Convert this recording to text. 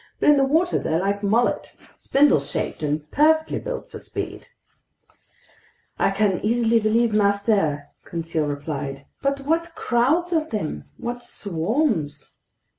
But in the water they're like mullet, spindle shaped and perfectly built for speed." "I can easily believe master," Conseil replied. "But what crowds of them! What swarms!"